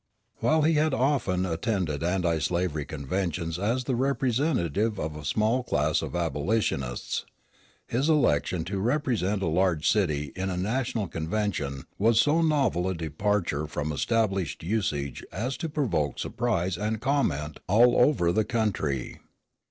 While he had often attended anti slavery conventions as the representative of a small class of abolitionists, his election to represent a large city in a national convention was so novel a departure from established usage as to provoke surprise and comment all over the country.